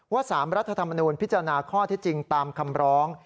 ๓รัฐธรรมนูญพิจารณาข้อที่จริงตามคำร้อง